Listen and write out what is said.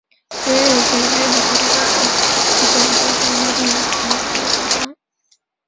人人有权离开任何国家,包括其本国在内,并有权返回他的国家。